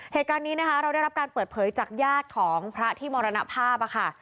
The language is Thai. เหตุการณ์นี้นะคะเราได้รับการเปิดเผยจากญาติของพระที่มรณภาพค่ะ